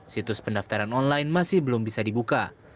situs pendaftaran online masih belum bisa dibuka